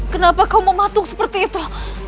kenapa kau mematung seperti itu